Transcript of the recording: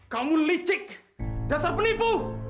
kamu licik dasar penipu